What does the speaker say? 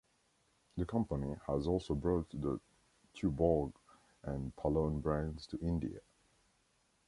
The company has also brought the Tuborg and Palone brands to India.